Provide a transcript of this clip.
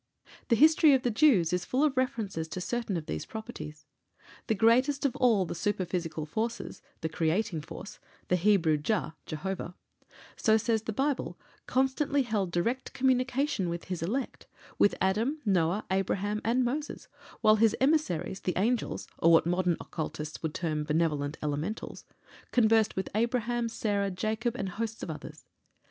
The history of the Jews is full of references to certain of these properties. The greatest of all the Superphysical Forces the creating Force (the Hebrew Jah, Jehovah) so says the Bible, constantly held direct communication with His elect with Adam, Noah, Abraham, and Moses, while His emissaries, the angels, or what modern Occultists would term Benevolent Elementals, conversed with Abraham, Sarah, Jacob, and hosts of others.